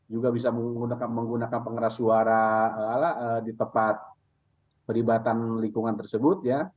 juga bisa menggunakan pengeras suara di tempat peribatan lingkungan tersebut ya